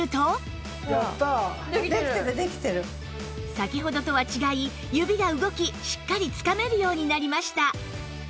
先ほどとは違い指が動きしっかりつかめるようになりました